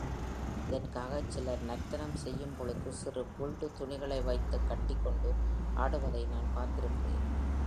இதற்காகச் சிலர் நர்த்தனம் செய்யும்பொழுது சிறு குல்டு துணிகளை வைத்துக் கட்டிக்கொண்டு ஆடுவதை நான் பார்த்திருக்கிறேன்!